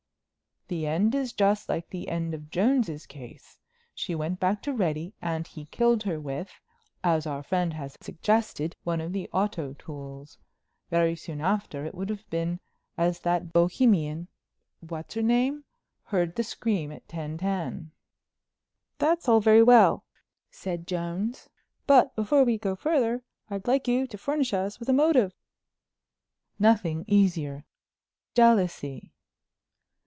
The end is just like the end of Jones's case. She went back to Reddy and he killed her with, as our friend has suggested, one of the auto tools. Very soon after it would have been as that Bohemian—what's her name?—heard the scream at ten ten." "That's all very well," said Jones, "but before we go further I'd like you to furnish us with a motive." "Nothing easier—jealousy."